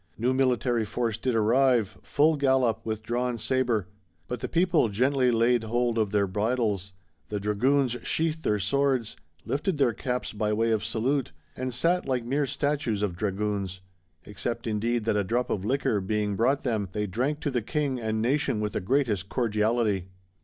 New military force did arrive, full gallop, with drawn sabre: but the people gently "laid hold of their bridles;" the dragoons sheathed their swords; lifted their caps by way of salute, and sat like mere statues of dragoons,—except indeed that a drop of liquor being brought them, they "drank to the King and Nation with the greatest cordiality."